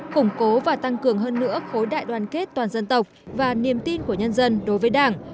củng cố và tăng cường hơn nữa khối đại đoàn kết toàn dân tộc và niềm tin của nhân dân đối với đảng